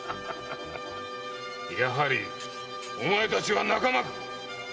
やはりお前たちは仲間か。